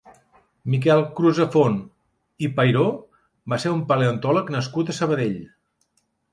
Miquel Crusafont i Pairó va ser un paleontòleg nascut a Sabadell.